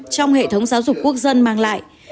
trong hệ thống giáo dục quốc dân mang lại